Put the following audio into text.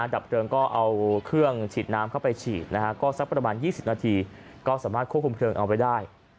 ดับเพลิงก็เอาเครื่องฉีดน้ำเข้าไปฉีดก็สักประมาณ๒๐นาทีก็สามารถควบคุมเพลิงเอาไว้ได้